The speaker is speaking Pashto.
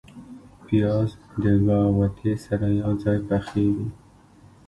پیاز د ګاوتې سره یو ځای پخیږي